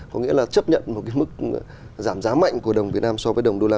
có nghĩa là chấp nhận một mức giảm giá mạnh của đồng việt nam so với đồng việt nam